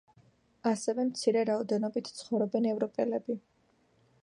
ასევე მცირე რაოდენობით ცხოვრობენ ევროპელები.